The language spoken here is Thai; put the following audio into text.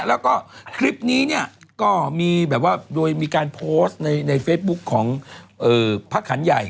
แล้วก็คลิปนี้เนี่ยก็มีแบบว่าโดยมีการโพสต์ในเฟซบุ๊คของพระขันใหญ่